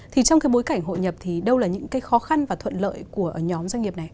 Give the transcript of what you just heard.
thì trong cái bối cảnh hội nhập thì đâu là những cái khó khăn và thuận lợi của nhóm doanh nghiệp này